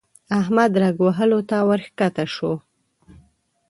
احمد رګ وهلو ته ورکښته شو.